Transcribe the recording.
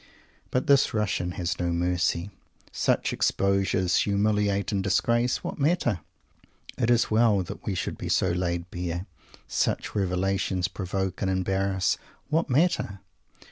But this Russian has no mercy. Such exposures humiliate and disgrace? What matter? It is well that we should be so laid bare. Such revelations provoke and embarrass? What matter?